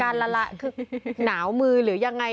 ละคือหนาวมือหรือยังไง